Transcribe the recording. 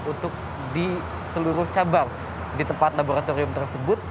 untuk di seluruh cabang di tempat laboratorium tersebut